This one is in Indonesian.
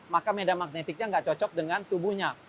maka medan magnetiknya tidak cocok dengan tubuhnya